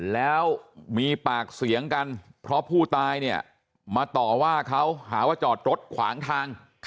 แล้วมีปากเสียงกันเพราะผู้ตายเนี่ยมาต่อว่าเขาหาว่าจอดรถขวางทาง